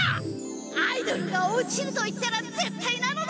アイドルが落ちると言ったらぜったいなのだ！